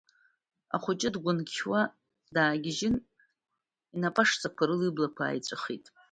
Ахәыҷы дгәынқьуа даагьежьын, инапашҵақәа рыла иблақәа ааиҵәахит.